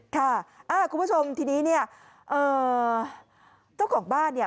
ค่ะคุณผู้ชมทีนี้เนี่ยเจ้าของบ้านเนี่ย